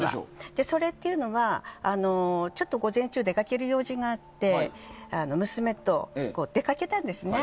それは、ちょっと午前中出かける用事があって娘と出かけたんですね。